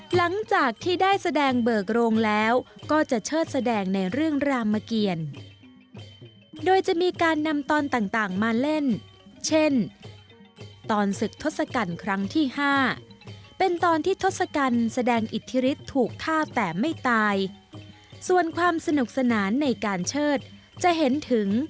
หลังจากที่ได้แสดงเบิกโรงแล้วก็จะเชิดแสดงในเรื่องรามเกียรโดยจะมีการนำตอนต่างมาเล่นเช่นตอนศึกทศกัณฐ์ครั้งที่๕เป็นตอนที่ทศกัณฐ์แสดงอิทธิฤทธิ์ถูกฆ่าแต่ไม่ตายส่วนความสนุกสนานในการเชิดจะเห็นถึง